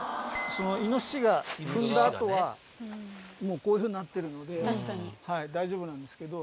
イノシシが踏んだ跡はこういうふうになってるので大丈夫なんですけど。